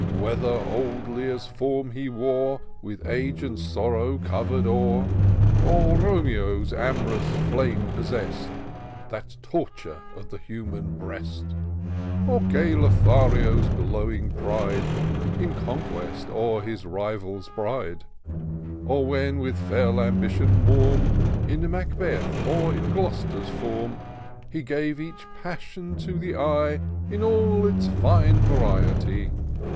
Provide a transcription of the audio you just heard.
Whether old Lear's form he wore. With age and sorrow cover'd o'er; Or Romeo's am'rous flame possess'd. That torture of the human breast ; IN SEARCH OF THE PICTURESQUE. 299 Or gay Lothario'^ glowing pride, In conquest o'er his rival's bride ; Or when, with fell ambition warm, In Macbeth or in Gloster's form, He gave each passion to the eye In all its fine variety.